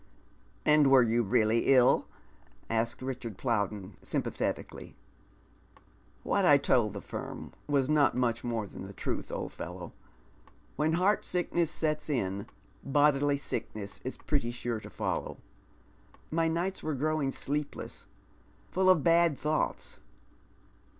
" And were you really ill ?" asks Richard Plowden, eym pathetically. " What I told the firm was not much more than the truth, old fellow. When heart sickness sets in, bodily sickness is pretty pure to follow. My nights were growing sleepless, full of bad thoughts.